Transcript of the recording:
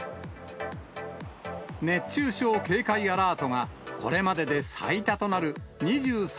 熱中症警戒アラートがこれまでで最多となる２３